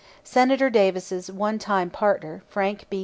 Senator Davis's one time partner, Frank B.